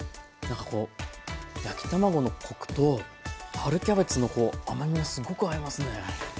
なんかこう焼き卵のコクと春キャベツの甘みがすごく合いますね。